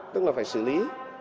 tức là phải xử lý